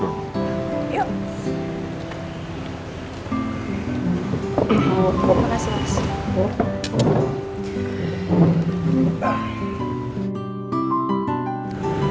terima kasih mas